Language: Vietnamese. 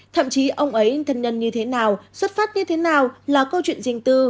thậm chí ông ấy thân nhân như thế nào xuất phát như thế nào là câu chuyện riêng tư